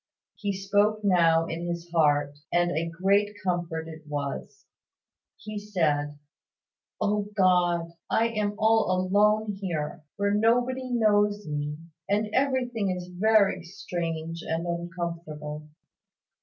He spoke now in his heart; and a great comfort it was. He said "O God, I am all alone here, where nobody knows me; and everything is very strange and uncomfortable.